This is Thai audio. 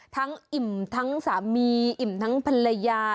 อิ่มทั้งสามีอิ่มทั้งภรรยา